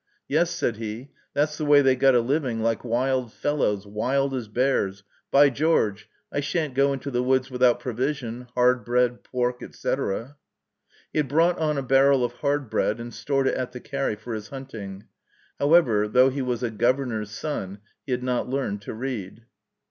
"Yes," said he, "that's the way they got a living, like wild fellows, wild as bears. By George! I shan't go into the woods without provision, hard bread, pork, etc." He had brought on a barrel of hard bread and stored it at the carry for his hunting. However, though he was a Governor's son, he had not learned to read.